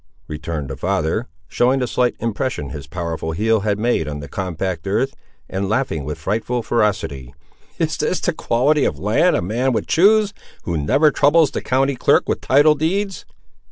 returned the father, showing the slight impression his powerful heel had made on the compact earth, and laughing with frightful ferocity. "Is this the quality of land a man would choose who never troubles the county clerk with title deeds?"